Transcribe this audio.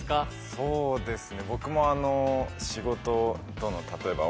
そうですね